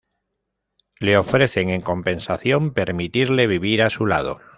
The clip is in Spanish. Le ofrecen, en compensación, permitirle vivir a su lado.